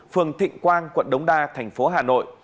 phường thịnh quang quận đống đa thành phố hà nội